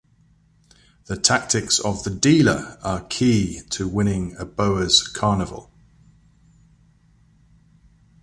The tactics of the Dealer are the key to winning a Bowers carnival.